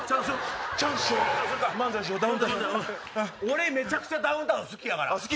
俺めちゃくちゃダウンタウン好きやから。